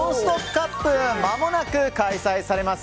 カップまもなく開催されます。